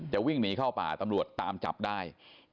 วิ่งหนีเข้าป่าตำรวจตามจับได้